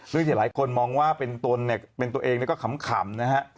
ซึ่งที่หลายคนมองว่าเป็นตนเนี่ยเป็นตัวเองแล้วก็ขำนะฮะ